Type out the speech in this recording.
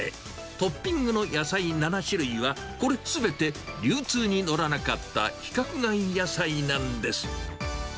トッピングの野菜７種類は、これ、すべて流通に乗らなかった規格外野菜なんです。